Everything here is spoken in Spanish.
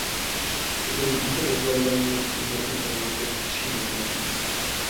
El edificio recuerda a una enorme pagoda china roja.